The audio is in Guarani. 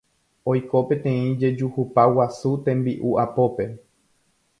Oiko peteĩ jejuhupa guasu tembi'u apópe